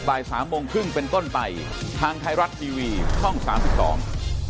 ทางไทรัตน์ทีวีช่อง๓๒